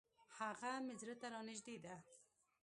هغه مي زړه ته را نژدې ده .